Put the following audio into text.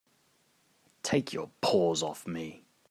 Take your paws off me!